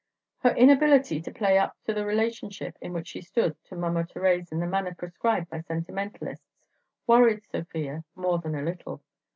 Her inability to play up to the relationship in which she stood to Mama Thérèse in the manner prescribed by sentimentalists worried Sofia more than a little.